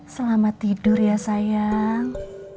selamat tidur ya sayang